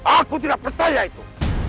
aku tidak percaya itu